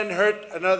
yang tidak akan lagi